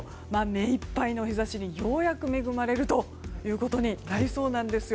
目いっぱいの日差しにようやく恵まれることになりそうです。